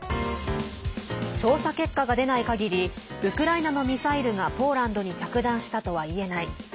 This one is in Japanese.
調査結果が出ない限りウクライナのミサイルがポーランドに着弾したとはいえない。